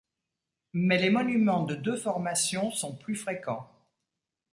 Mais les monuments de deux formations sont plus fréquents.